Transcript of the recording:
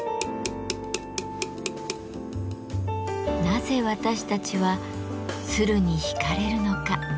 なぜ私たちは鶴に引かれるのか。